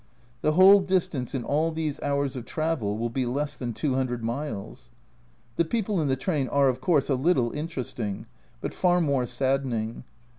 The whole distance in all these hours of travel will be less than 200 miles. The people in the train are, of course, a little interesting, but far more saddening.